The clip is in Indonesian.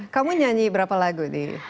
kamu nyanyi berapa lagu